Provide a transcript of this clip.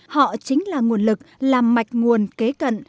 họ chính là nguồn lực làm mạch nguồn kế cận